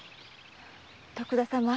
徳田様。